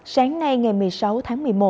sáng nay ngày một mươi sáu tháng một mươi một